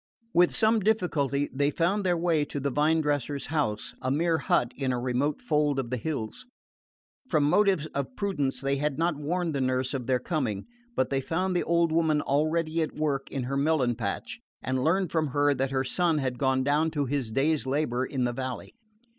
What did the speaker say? With some difficulty they found their way to the vine dresser's house, a mere hut in a remote fold of the hills. From motives of prudence they had not warned the nurse of their coming; but they found the old woman already at work in her melon patch and learned from her that her son had gone down to his day's labour in the valley.